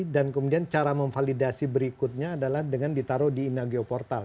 kemudian cara memvalidasi berikutnya adalah dengan ditaruh di inagio portal